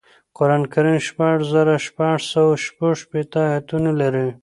قرآن کریم شپږ زره شپږسوه شپږشپیتمه اياتونه لري